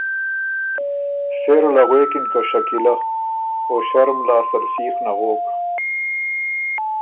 سېره له غوېکِن که ”شکیلۀ“ او ݭرُم لاسته ل سیخ نغوک